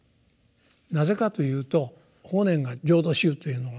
なぜかというと法然が「浄土宗」というのを名乗るのはですね